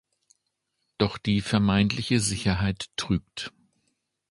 Doch die vermeintliche Sicherheit trügt.